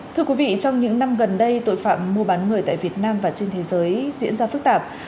thưa quý vị trong những năm gần đây tội phạm mua bán người tại việt nam và trên thế giới diễn ra phức tạp